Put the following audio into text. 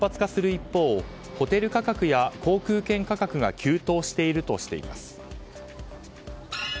一方ホテル価格や航空券価格が急騰しているとしています。